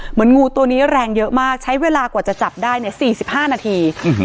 งูตัวนี้แรงเยอะมากใช้เวลากว่าจะจับได้เนี่ย๔๕นาที